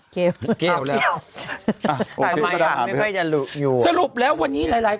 เกลี้ยวแล้วอ๋อยังไม่เบียบไปอยู่สรุปแล้ววันนี้หลาย